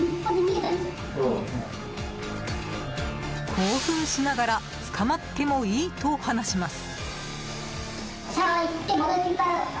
興奮しながら捕まってもいいと話します。